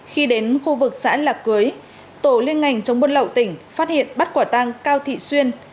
khi đến khu vực xã lạc cưới tổ liên ngành chống buôn lậu tỉnh phát hiện bắt quả tăng cao thị xuyên